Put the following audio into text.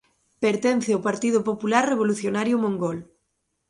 Pertence ao Partido Popular Revolucionario Mongol.